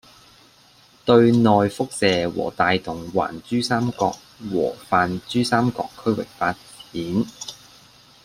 對內輻射和帶動環珠三角和泛珠三角區域發展